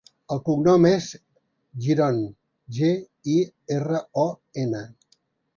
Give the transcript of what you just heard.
El cognom és Giron: ge, i, erra, o, ena.